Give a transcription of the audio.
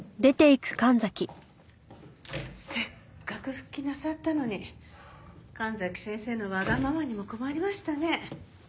せっかく復帰なさったのに神崎先生のわがままにも困りましたね。